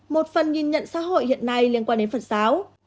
một phần nhìn nhận xã hội hiện nay liên quan đến phật giáo